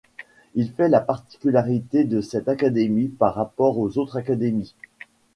Il fait la particularité de cette Académie par rapport aux autres académies.